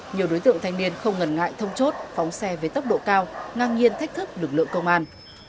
nhiều đối tượng thanh niên không ngần ngại thông chốt phóng xe với tốc độ cao ngang nhiên thách thức lực lượng công an